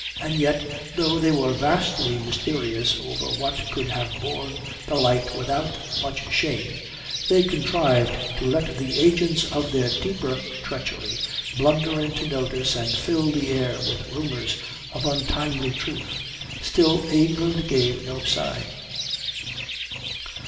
And yet, though they were vastly mysterious over what could have borne the light without much shame, they contrived to let the agents of their deeper treachery blunder into notice and fill the air with rumours of untimely truth. Still England gave no sign.